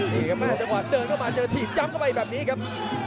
นี่ครับแม่เถอะกว่าเดินเข้ามาเจอทีดจับเข้าไปแบบนี้ครับ